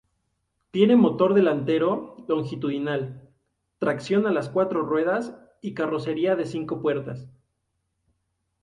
Tiene motor delantero longitudinal, tracción a las cuatro ruedas y carrocería de cinco puertas.